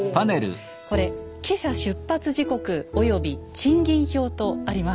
これ「汽車出発時刻及賃金表」とあります。